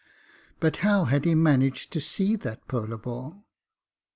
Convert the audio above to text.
But how had he managed to see that polo ball?